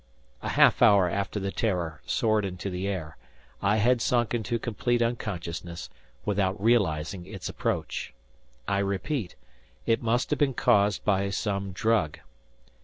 A half hour after the "Terror" soared into the air, I had sunk into complete unconsciousness, without realizing its approach. I repeat, it must have been caused by some drug.